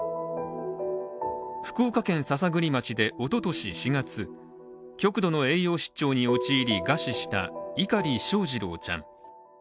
福岡県篠栗町で、おととし４月極度の栄養失調に陥り餓死した、碇翔士郎ちゃん。